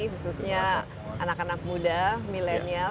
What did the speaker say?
khususnya anak anak muda milenial